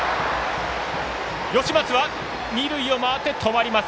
吉松は二塁を回って止まります。